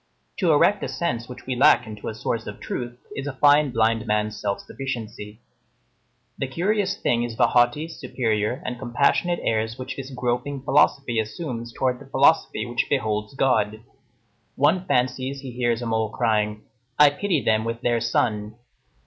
To erect a sense which we lack into a source of truth, is a fine blind man's self sufficiency. The curious thing is the haughty, superior, and compassionate airs which this groping philosophy assumes towards the philosophy which beholds God. One fancies he hears a mole crying, "I pity them with their sun!"